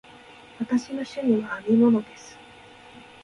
私の趣味は編み物です。